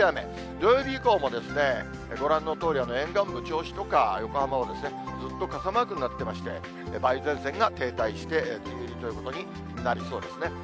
土曜日以降もご覧のとおり、沿岸部、銚子とか横浜はずっと傘マークになってまして、梅雨前線が停滞して、梅雨入りということになりそうですね。